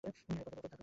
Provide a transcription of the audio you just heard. কর্তব্যে অটল থাকুন।